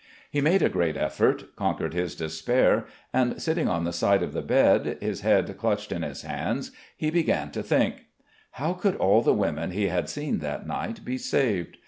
He made a great effort, conquered his despair, and, sitting on the side of the bed, his head clutched in his hands, he began to think: How could all the women he had seen that night be saved?